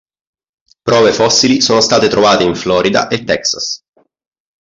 Prove fossili sono state trovate in Florida e Texas.